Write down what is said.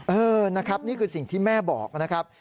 เออนะครับนี่คือสิ่งที่แม่บอกนะครับ